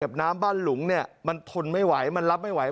น้ำบ้านหลุงเนี่ยมันทนไม่ไหวมันรับไม่ไหว